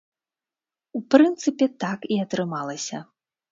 У прынцыпе, так і атрымалася.